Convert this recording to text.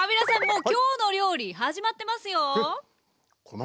もう「きょうの料理」始まってますよ。え！